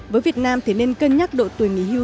với việt nam thì nên cân nhắc độ tuổi nghỉ hưu